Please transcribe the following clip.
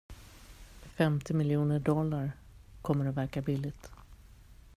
Femtio miljoner dollar kommer att verka billigt.